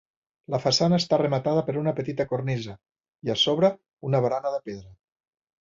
La façana està rematada per una petita cornisa i, a sobre, una barana de pedra.